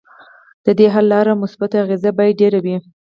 ددې حل لارو مثبتې اغیزې باید ډیرې وي.